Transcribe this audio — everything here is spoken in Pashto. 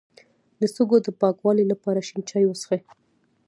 د سږو د پاکوالي لپاره شین چای وڅښئ